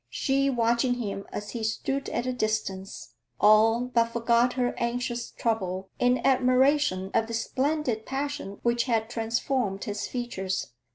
She, watching him as he stood at a distance, all but forgot her anxious trouble in admiration of the splendid passion which had transformed his features.